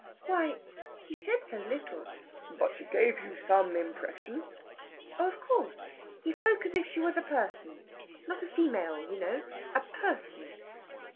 "Why he said so little " "But he gave you some impression?" "Oh, of course. He spoke as if she was a person not a female you know a person!"